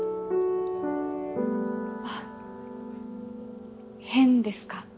あっ変ですか？